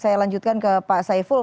saya lanjutkan ke pak saiful